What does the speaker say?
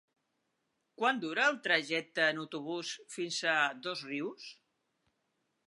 Quant dura el trajecte en autobús fins a Dosrius?